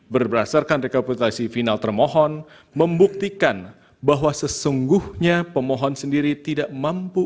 berdasarkan rekapitulasi final termohon membuktikan bahwa sesungguhnya pemohon sendiri tidak mampu